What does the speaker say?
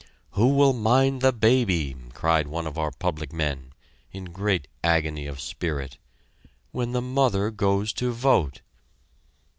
"Who will mind the baby?" cried one of our public men, in great agony of spirit, "when the mother goes to vote?"